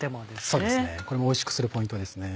そうですねこれもおいしくするポイントですね。